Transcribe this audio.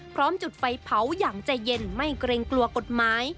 พร้อมจุดไฟเผาอย่างใจเย็นไม่เกรงกลัวกฎหมาย